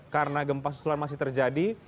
karena gempa susulan masih terjadi